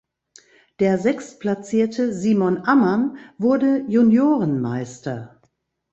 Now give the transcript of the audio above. Der sechstplatzierte Simon Ammann wurde Juniorenmeister.